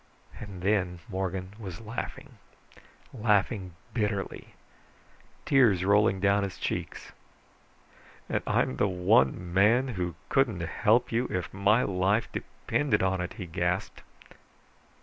And then Morgan was laughing, laughing bitterly, tears rolling down his cheeks. "And I'm the one man who couldn't help you if my life depended on it," he gasped.